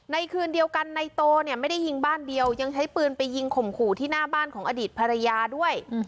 คืนเดียวกันในโตเนี่ยไม่ได้ยิงบ้านเดียวยังใช้ปืนไปยิงข่มขู่ที่หน้าบ้านของอดีตภรรยาด้วย